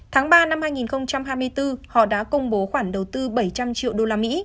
tháng ba năm hai nghìn hai mươi bốn họ đã công bố khoản đầu tư bảy trăm linh triệu usd